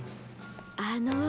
あの。